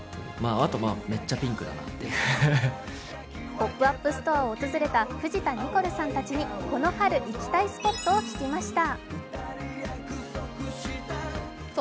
ポップアップストアを訪れた藤田ニコルさんたちにこの春行きたいスポットを聞きました。